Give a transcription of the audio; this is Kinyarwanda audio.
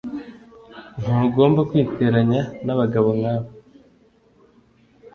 Ntugomba kwiteranya nabagabo nkabo